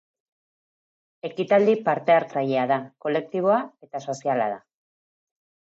Ekitaldi parte-hartzailea da, kolektiboa eta soziala da.